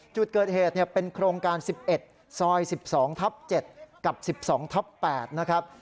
จุดเกิดเหตุเป็นโครงการ๑๑ซอย๑๒ทับ๗กับ๑๒ทับ๘นะครับ